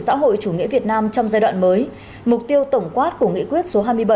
xã hội chủ nghĩa việt nam trong giai đoạn mới mục tiêu tổng quát của nghị quyết số hai mươi bảy